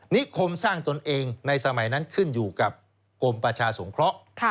นิคมสร้างตนเองในสมัยนั้นขึ้นอยู่กับกรมประชาสงเคราะห์